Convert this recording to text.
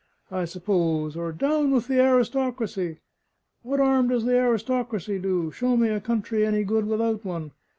I suppose, or 'Down with the Aristocracy!' What 'arm does the aristocracy do? Show me a country any good without one!